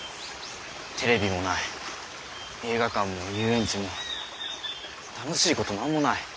テレビもない映画館も遊園地も楽しいこと何もない。